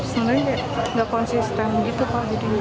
sebenarnya nggak konsisten gitu pak